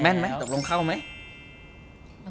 นไหมตกลงเข้าไหม